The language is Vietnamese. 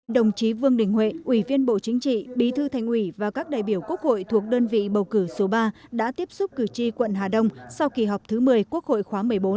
đồng chí vương đình huệ ủy viên bộ chính trị bí thư thành ủy và các đại biểu quốc hội thuộc đơn vị bầu cử số ba đã tiếp xúc cử tri quận hà đông sau kỳ họp thứ một mươi quốc hội khóa một mươi bốn